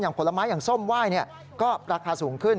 ผลไม้อย่างส้มไหว้ก็ราคาสูงขึ้น